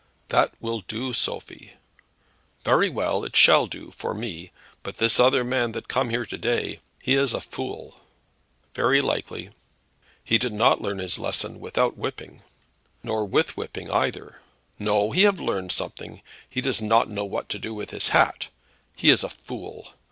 "That will do, Sophie." "Very well; it shall do for me. But this other man that come here to day. He is a fool." "Very likely." "He did not learn his lesson without whipping." "Nor with whipping either." "No; he have learned nothing. He does not know what to do with his hat. He is a fool.